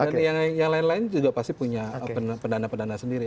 dan yang lain lain juga pasti punya pendana pendana sendiri